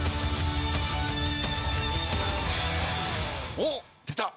おっ出た。